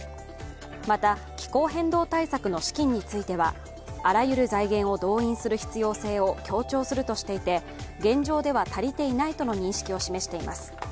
また、気候変動対策の資金についてはあらゆる財源を動員する必要性を強調するとしていて現状では足りていないとの認識を示しています。